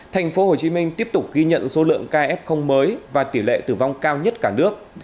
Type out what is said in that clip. thành phố hồ chí minh tiếp tục ghi nhận số lượng ca f mới và tỷ lệ tử vong cao nhất cả nước